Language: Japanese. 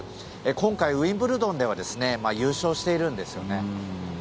今回ウィンブルドンでは優勝してるんですよね。